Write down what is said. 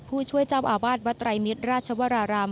ผู้ช่วยเจ้าอาวาสวัตรายมิตรรัชวรรามก์